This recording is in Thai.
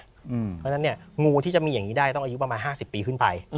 เพราะฉะนั้นงูที่จะมีอย่างนี้ได้ต้องอายุประมาณ๕๐ปีขึ้นไป